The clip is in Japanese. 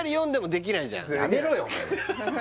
やめろよ